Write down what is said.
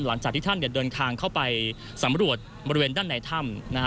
หลังจากที่ท่านเดินทางเข้าไปสำรวจบริเวณด้านในถ้ำนะฮะ